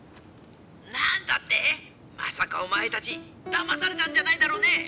なんだって⁉まさかお前たちだまされたんじゃないだろうね！